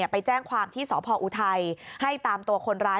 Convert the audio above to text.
ไปแจ้งความที่สพออุทัยให้ตามตัวคนร้าย